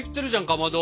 かまど。